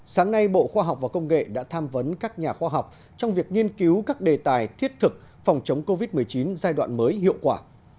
sáng nay bộ khoa học và công nghệ đã tham vấn các nhà khoa học trong việc nghiên cứu các đề tài thiết thực phòng chống covid một mươi chín giai đoạn mới hiệu quả